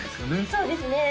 そうですね